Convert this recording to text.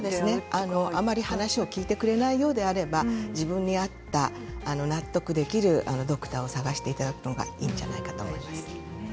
あまり話を聞いてくれないようであれば自分に合った納得できるドクターを探していただくのがいいんじゃないかなと思います。